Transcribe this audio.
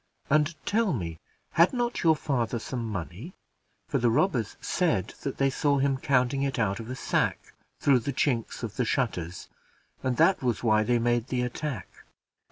And tell me, had not your father some money? for the robbers said that they saw him counting it out of a sack, through the chinks of the shutters, and that was why they made the attack."